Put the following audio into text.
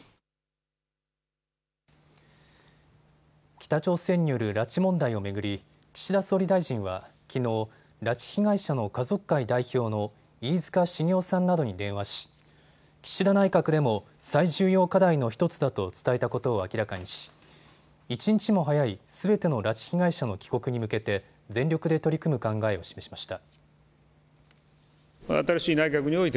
北朝鮮による拉致問題を巡り岸田総理大臣はきのう、拉致被害者の家族会代表の飯塚繁雄さんなどに電話し岸田内閣でも最重要課題の１つだと伝えたことを明らかにし一日も早いすべての拉致被害者の帰国に向けて全力で取り組む考えを示しました。